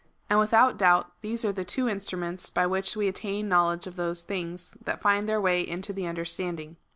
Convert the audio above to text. And without doubt these are the two instruments by which we attain the knowledge of those things that find their way into the understanding.